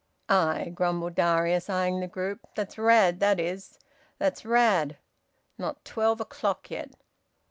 "Aye!" grumbled Darius, eyeing the group. "That's Rad, that is! That's Rad! Not twelve o'clock yet!"